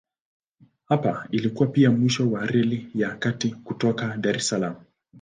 Hapa ilikuwa pia mwisho wa Reli ya Kati kutoka Dar es Salaam.